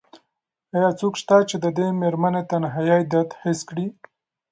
ایا څوک شته چې د دې مېرمنې د تنهایۍ درد حس کړي؟